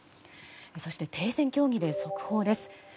そして停戦協議で速報です。